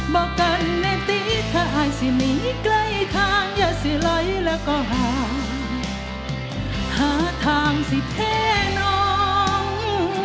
บอกกันในดินถ้าให้สิมีใกล้ทางอย่าสิไหลแล้วก็หาหาทางสิแท้น้อง